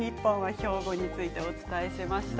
兵庫についてお伝えしました。